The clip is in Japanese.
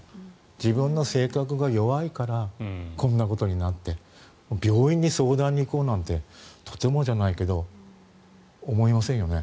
自分の性格が弱いからこんなことになって病院に相談に行こうなんてとてもじゃないけど思いませんよね。